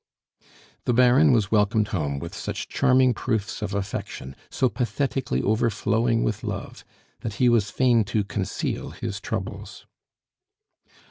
The Baron was welcomed home with such charming proofs of affection, so pathetically overflowing with love, that he was fain to conceal his troubles.